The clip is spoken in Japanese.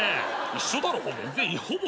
一緒だろほぼ。